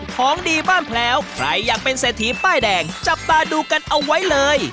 ของดีบ้านแพลวใครอยากเป็นเศรษฐีป้ายแดงจับตาดูกันเอาไว้เลย